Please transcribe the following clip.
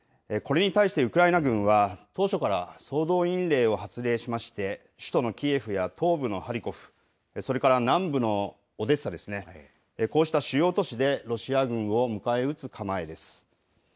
これに対してウクライナ軍は、当初から総動員令を発令しまして、首都のキエフや東部のハリコフ、それから南部のオデッサですね、こうした主要都市で、ロシア軍を迎え撃つ構えです。